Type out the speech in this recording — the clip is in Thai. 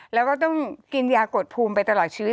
แล้วก็ต้องกินยากดภูมิไปตลอดชีวิต